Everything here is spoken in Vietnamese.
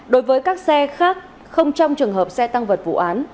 đối với các xe khác không trong trường hợp xe tăng vật vụ án